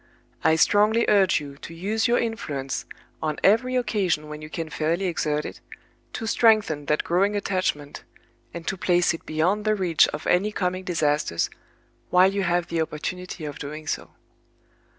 I strongly urge you to use your influence, on every occasion when you can fairly exert it, to strengthen that growing attachment, and to place it beyond the reach of any coming disasters, while you have the opportunity of doing so.